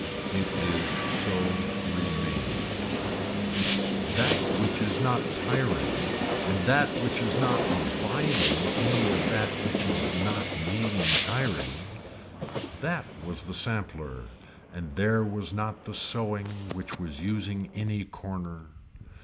It is so remained. That which is not tiring and that which is not aiding any of that which is not needing tiring, that was the sampler and there was not the sewing which was using any corner.